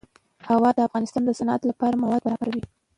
هوا د افغانستان د صنعت لپاره مواد برابروي.